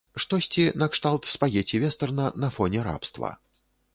Штосьці накшталт спагецці-вестэрна на фоне рабства.